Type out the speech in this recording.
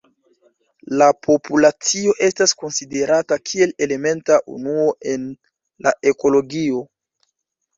La populacio estas konsiderata kiel elementa unuo en la ekologio.